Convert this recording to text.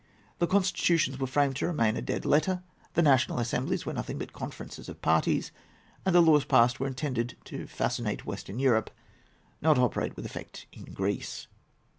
The constitutions were framed to remain a dead letter. The national assemblies were nothing but conferences of parties, and the laws passed were intended to fascinate Western Europe, not to operate with effect in Greece."